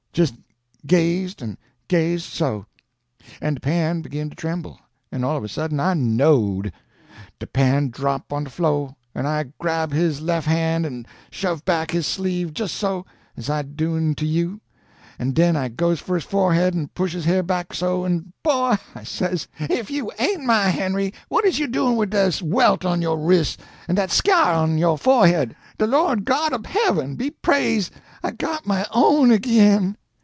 jist gazed an' gazed so; an' de pan begin to tremble, an' all of a sudden I knowed! De pan drop' on de flo' an' I grab his lef' han' an' shove back his sleeve jist so, as I's doin' to you an' den I goes for his forehead an' push de hair back so, an' 'Boy!' I says, 'if you an't my Henry, what is you doin' wid dis welt on yo' wris' an' dat sk yar on yo' forehead? De Lord God ob heaven be praise', I got my own ag'in!'